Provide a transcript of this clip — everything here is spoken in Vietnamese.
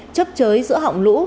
chấp chới giữa họng lũ